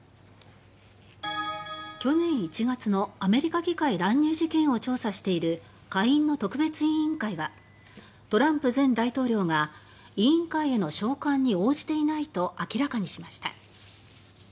去年１月のアメリカ議会乱入事件を調査している下院の特別委員会はトランプ前大統領が委員会への召喚に応じていないと明らかにしました。